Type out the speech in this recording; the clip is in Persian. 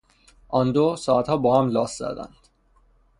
آندو، ساعتها با هم لاس زدند.